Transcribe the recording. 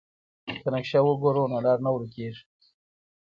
که نقشه وګورو نو لار نه ورکيږي.